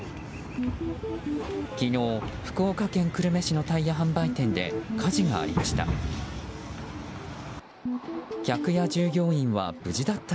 昨日、福岡県久留米市のタイヤ販売店で火事がありました。